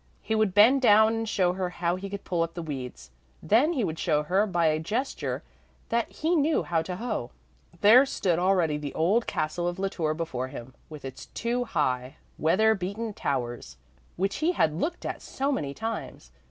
He would bend down and show her how he could pull up the weeds; then he would show her by a gesture that he knew how to hoe. There stood already the old castle of La Tour before him, with its two high, weather beaten towers, which he had looked at so many times.